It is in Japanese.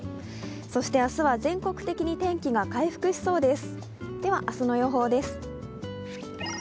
そして明日は全国的に天気が回復しそうです。